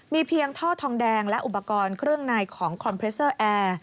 มีเพียงท่อทองแดงและอุปกรณ์เครื่องในของคอมเพรสเตอร์แอร์